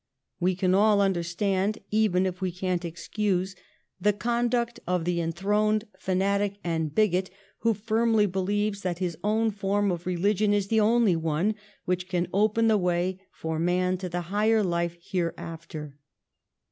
We can all understand, even if we cannot excuse, the conduct of the en throned fanatic and bigot who firmly believes that his own form of religion is the only one which can open the way for man to the higher life here after.